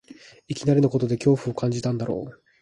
いきなりのことで恐怖を感じたんだろう